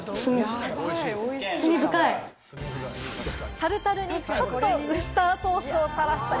タルタルにちょっとウスターソースを垂らしたり。